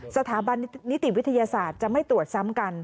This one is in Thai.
สถาบันนิติวิทยาศาสตร์จะไม่ตรวจซ้ำกัน